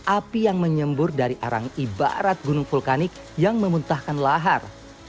api yang menyembur dari arang ibarat gunung vulkanik yang memuntahkan lahar